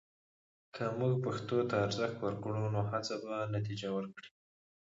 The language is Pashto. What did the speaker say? که موږ پښتو ته ارزښت ورکړو، نو هڅې به نتیجه ورکوي.